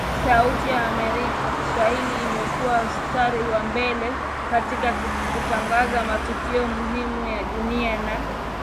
Sauti ya America Swahili imekua mstari wa mbele katika kutangaza matukio muhimu ya dunia na yanayotokea kanda ya Afrika Mashariki na Kati